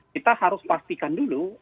kita harus pastikan dulu